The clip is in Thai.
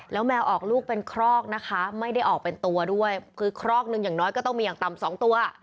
แล้วแมวออกลูกเป็นครอกนะคะไม่ได้ออกเป็นตัวด้วยคือครอกหนึ่งอย่างน้อยก็ต้องมีอย่างต่ำสองตัว